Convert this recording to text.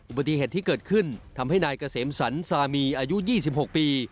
อุบัติเหตุที่เกิดขึ้นทำให้นายเกษมสรรสามีอายุ๒๖ปี